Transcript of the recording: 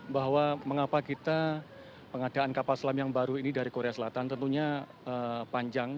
bahwa mengapa kita pengadaan kapal selam yang baru ini dari korea selatan tentunya panjang